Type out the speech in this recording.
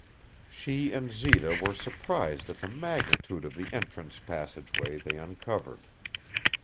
She and Zita were surprised at the magnitude of the entrance passageway they uncovered.